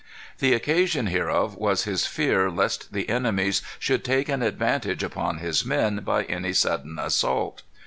"The occasion hereof was his fear lest the enemies should take an advantage upon his men by any sudden assault.